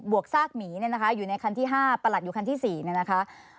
บวกซากหมีอยู่ในคันที่๕ประหลัดอยู่ในคันที่๔นะคะ